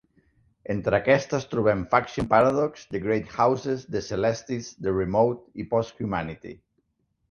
Entre aquestes trobem "Faction Paradox", "the Great Houses", "the Celestis", "the Remote" i "Posthumanity".